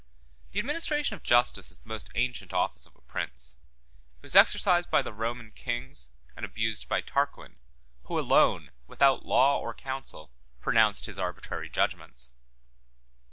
201 1. The administration of justice is the most ancient office of a prince: it was exercised by the Roman kings, and abused by Tarquin; who alone, without law or council, pronounced his arbitrary judgments.